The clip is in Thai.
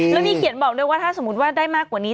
แล้วมีเขียนบอกด้วยว่าถ้าสมมุติว่าได้มากกว่านี้